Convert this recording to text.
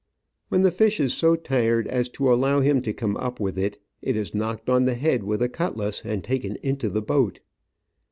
When the fish is so tired as to allow him to come up with it, it is knocked on the head with a cutlass and taken into the boat.